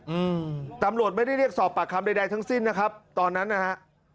อืมตำรวจไม่ได้เรียกสอบปากคำใดใดทั้งสิ้นนะครับตอนนั้นนะฮะ